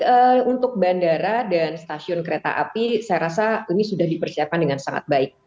untuk bandara dan stasiun kereta api saya rasa ini sudah dipersiapkan dengan sangat baik